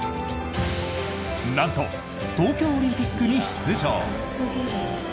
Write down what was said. なんと東京オリンピックに出場！